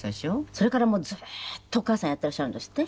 それからもうずっとお母さんやってらっしゃるんですって？